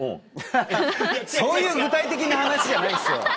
そういう具体的な話じゃないでしょ！